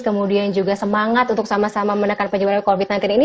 kemudian juga semangat untuk sama sama menekan penjualan covid sembilan belas ini cukup besar